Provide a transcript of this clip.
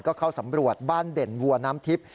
ก็เข้าสำรวจบ้านเด่นวัวน้ำทิพย์